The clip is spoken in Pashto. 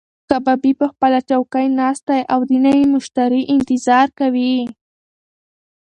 کبابي په خپله چوکۍ ناست دی او د نوي مشتري انتظار کوي.